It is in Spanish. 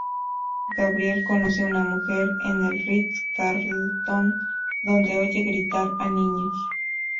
Gabriel conoce una mujer en el Ritz Carlton, donde oye gritar a niños.